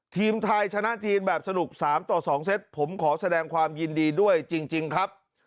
ทีมไทยชนะจีนแบบสนุก๓ต่อ๒เซตผมขอแสดงความยินดีด้วยจริงครับ